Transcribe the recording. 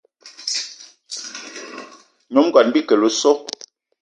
Nyom ngón Bikele o so!